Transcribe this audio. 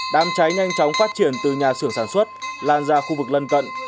đám cháy nhanh chóng phát triển từ nhà xưởng sản xuất lan ra khu vực lân cận